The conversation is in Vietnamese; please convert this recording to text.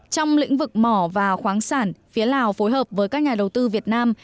trong lĩnh vực mỏ và khoáng sản phía lào phối hợp với các nhà đầu tư việt nam